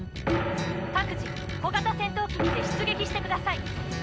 各自小型戦闘機にて出撃してください！